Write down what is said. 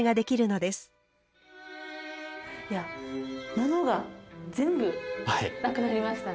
物が全部なくなりましたね。